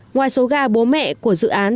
ngoài số gà bố mẹ của dự án